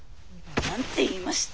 何て言いました？